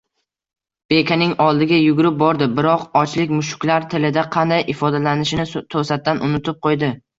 Bekaning oldiga yugurib bordi, biroq ochlik mushuklar tilida qanday ifodalanishini toʻsatdan unutib qoʻydi